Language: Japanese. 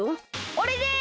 おれです！